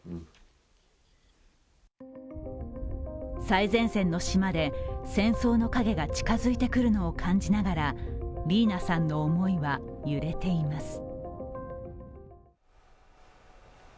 最前線の島で戦争の影が近づいてくるのを感じながらリーナさんの思いは揺れています。